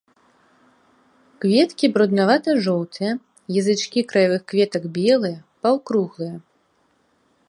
Кветкі бруднавата-жоўтыя, язычкі краявых кветак белыя, паўкруглыя.